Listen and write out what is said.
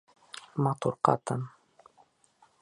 Матур ҡатын!